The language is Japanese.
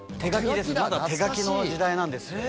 まだ手書きの時代なんですよ。